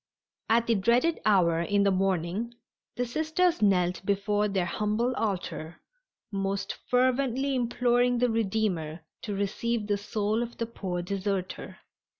At the dreaded hour in the morning the Sisters knelt before their humble altar, most fervently imploring the Redeemer to receive the soul of the poor deserter.